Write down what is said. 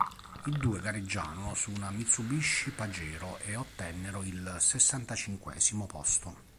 I due gareggiarono su una Mitsubishi Pajero e ottennero il sessantacinquesimo posto.